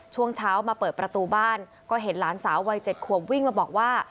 ช่วงเช้ามาเปิดประตูบ้านก็เห็นหลานสาววัย๗ขวบวิ่งมาบอกว่า